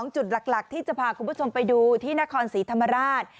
จุดหลักที่จะพาคุณผู้ชมไปดูที่นครศรีธรรมราช